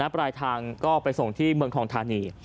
ปลายทางก็ไปส่งที่เมืองทองธานี